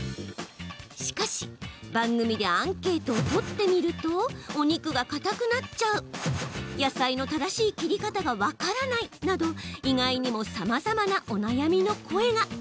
しかし番組でアンケートを取ってみるとお肉がかたくなっちゃう野菜の正しい切り方が分からないなど意外にもさまざまなお悩みの声が。